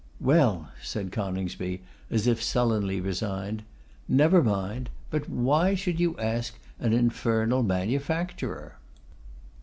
'Well,' said Coningsby, as if sullenly resigned, 'never mind; but why should you ask an infernal manufacturer?